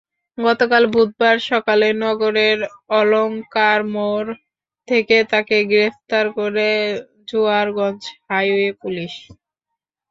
গতকাল বুধবার সকালে নগরের অলঙ্কারমোড় থেকে তাঁকে গ্রেপ্তার করে জোরারগঞ্জ হাইওয়ে পুলিশ।